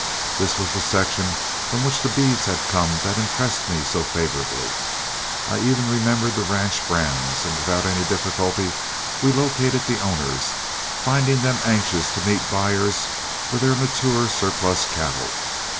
This was the section from which the beeves had come that impressed me so favorably; I even remembered the ranch brands, and without any difficulty we located the owners, finding them anxious to meet buyers for their mature surplus cattle.